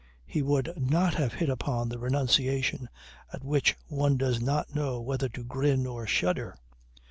He would not have hit upon that renunciation at which one does not know whether to grin or shudder.